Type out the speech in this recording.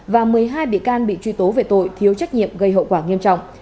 và một mươi hai bị can bị truy tố về tội thiếu trách nhiệm gây hậu quả nghiêm trọng